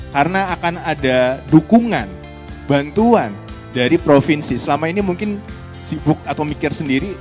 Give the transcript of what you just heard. karena akan ada dukungan bantuan dari provinsi selama ini mungkin sibuk atau mikir sendiri